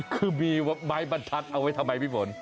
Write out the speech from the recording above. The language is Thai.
คือมีไมน์บันทัศน์เอาไว้ทำไมพี่หมวน